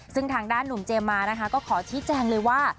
ซึ่งทางด้านหนุ่มเจมมานะคะก็ขอชี้แจงเลยว่า